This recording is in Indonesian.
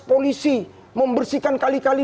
polisi membersihkan kali kali